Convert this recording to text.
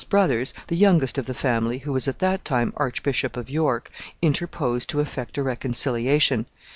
At length one of the earl's brothers, the youngest of the family, who was at that time Archbishop of York, interposed to effect a reconciliation.